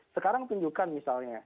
sekarang tunjukkan misalnya